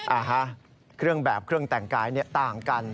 อ่าฮะเครื่องแบบเครื่องแต่งกายเนี่ยต่างกัน